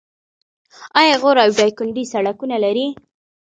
آیا غور او دایکنډي سړکونه لري؟